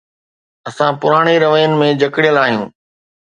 اسان پراڻي روين ۾ جڪڙيل آهيون.